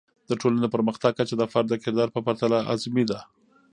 د ټولنې د پرمختګ کچه د فرد د کردار په پرتله اعظمي ده.